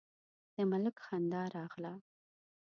د ملک خندا راغله: